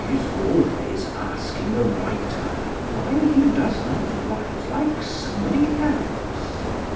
is always asking a writer why he does not write like somebody else